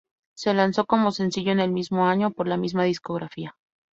Se lanzó como sencillo en el mismo año por la misma discográfica.